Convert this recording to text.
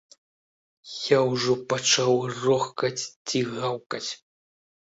Я ўжо пачаў рохкаць ці гаўкаць!